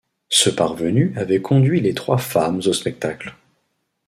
Ce parvenu avait conduit les trois femmes au spectacle